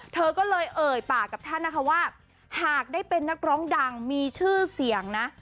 เธอก็เลยเอ่ยปากกับท่านนะคะว่าหากได้เป็นนักร้องดังมีชื่อเสียงนะ